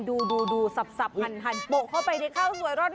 ดูสับหั่นโปะเข้าไปในข้าวสวยร้อน